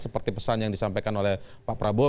seperti pesan yang disampaikan oleh pak prabowo